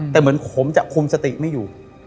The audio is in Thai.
แต่เหมือนผมจะคุมสติไม่อยู่